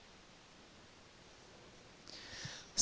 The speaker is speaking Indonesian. kemudian anda akan dihantarkan untuk menuju ke meja penelitian